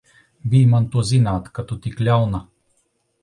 Bij man to zināt, ka tu tik ļauna!